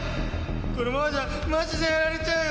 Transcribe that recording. このままじゃ、マジでやられちゃうよ。